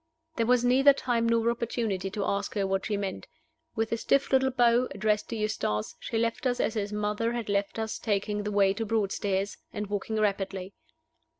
There was neither time nor opportunity to ask her what she meant. With a stiff little bow, addressed to Eustace, she left us as his mother had left us taking the way to Broadstairs, and walking rapidly.